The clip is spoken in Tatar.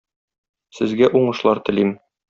Сезгә уңышлар телим.